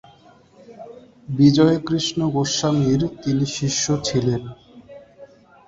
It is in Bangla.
বিজয়কৃষ্ণ গোস্বামীর তিনি শিষ্য ছিলেন।